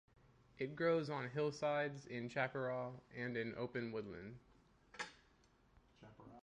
It grows on hillsides, in chaparral, and in open woodland.